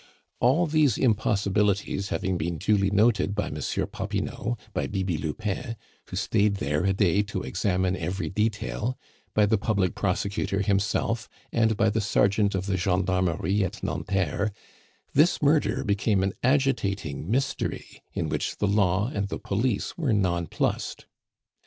All these impossibilities having been duly noted by Monsieur Popinot, by Bibi Lupin, who stayed there a day to examine every detail, by the public prosecutor himself, and by the sergeant of the gendarmerie at Nanterre, this murder became an agitating mystery, in which the Law and the Police were nonplussed.